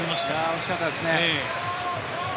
惜しかったですね。